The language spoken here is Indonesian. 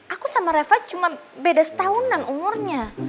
aku sama reva cuma beda setahunan umurnya